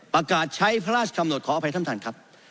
ประกาศใช้พระราชกำหนดขออภัยท่านท่านครับ